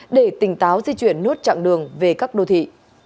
để tỉnh táo di chuyển nốt chặng đường về các đô thị